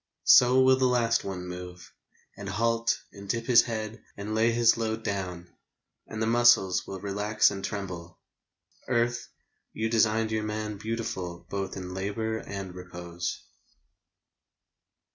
So will the last one move, And halt, and dip his head, and lay his load Down, and the muscles will relax and tremble. .. Earth, you designed your man Beautiful both in labour, and repose.